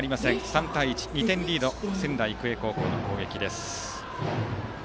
３対１、２点リードの仙台育英高校の攻撃です。